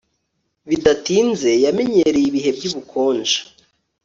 Bidatinze yamenyereye ibihe byubukonje